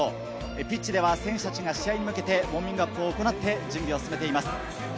ピッチでは、選手たちが試合に向けてウォーミングアップを行って、準備を進めています。